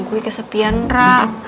gue kesepian ra